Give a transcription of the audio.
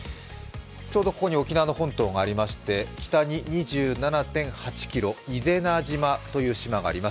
ここに沖縄の本島がありまして、北に２７．５８ｋｍ、伊是名島という島があります。